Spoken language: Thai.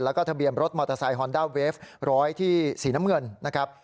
แล้วก็ทะเบียนรถมอเตอร์ไซคอนด้าเวฟร้อยที่สีน้ำเงินนะครับ